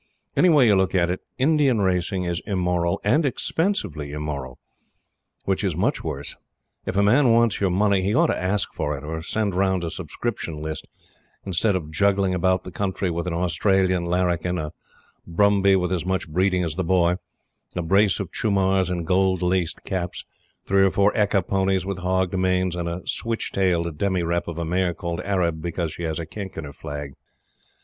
Any way you look at it, Indian racing is immoral, and expensively immoral. Which is much worse. If a man wants your money, he ought to ask for it, or send round a subscription list, instead of juggling about the country, with an Australian larrikin; a "brumby," with as much breed as the boy; a brace of chumars in gold laced caps; three or four ekka ponies with hogged manes, and a switch tailed demirep of a mare called Arab because she has a kink in her flag.